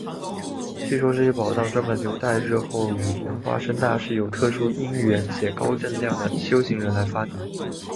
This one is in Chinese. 据说这些宝藏专门留待日后与莲花生大士有特殊因缘且高证量的修行人来发觉。